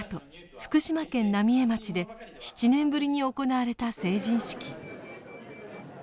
福島県浪江町で７年ぶりに行われた成人式。